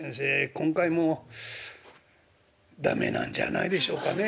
今回も駄目なんじゃないでしょうかね」。